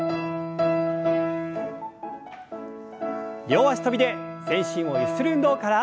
両脚跳びで全身をゆする運動から。